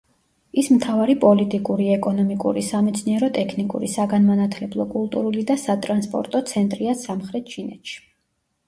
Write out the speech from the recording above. ის მთავარი პოლიტიკური, ეკონომიკური, სამეცნიერო-ტექნიკური, საგანმანათლებლო, კულტურული და სატრანსპორტო ცენტრია სამხრეთ ჩინეთში.